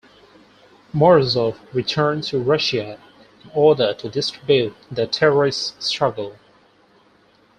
Morozov returned to Russia in order to distribute "The Terrorist Struggle".